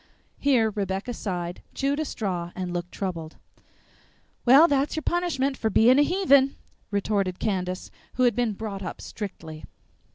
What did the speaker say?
Here Rebecca sighed, chewed a straw, and looked troubled. "Well, that's your punishment for being a heathen," retorted Candace, who had been brought up strictly.